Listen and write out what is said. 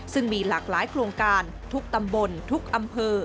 ซึ่งมีหลากหลายโครงการทุกตำบลทุกอำเภอ